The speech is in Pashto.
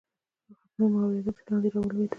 ږغونه مو اورېدل، چې لاندې رالوېدل.